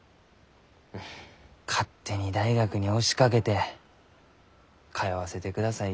勝手に大学に押しかけて通わせてください